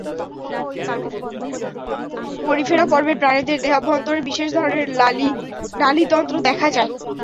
Porifera পর্বের প্রাণীদের দেহাভ্যন্তরে বিশেষ ধরনের নালিতন্ত্র দেখা যায়।